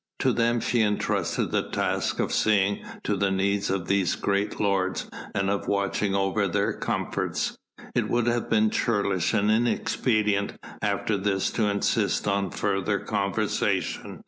To them she entrusted the task of seeing to the needs of these great lords and of watching over their comforts. It would have been churlish and inexpedient after this to insist on further conversation.